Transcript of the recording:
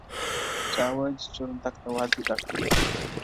چاویل چي چوروندک د وازګو ډک دی-